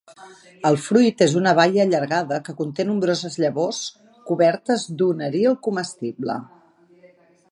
El fruit és una baia allargada que conté nombroses llavors cobertes d'un aril comestible.